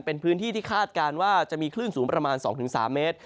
เป็นพื้นที่ที่คาดการณ์ว่าจะมีคลื่นสูงประมาณ๒๓เมตร